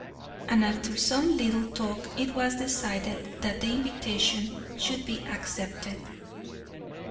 And after some little talk it was decided that the invitation should be accepted.